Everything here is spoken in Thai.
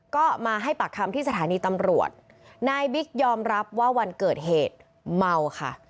ก็มาให้ปากคำที่สถานีตำรวจนายบิ๊กยอมรับว่าวันเกิดเหตุเมาค่ะ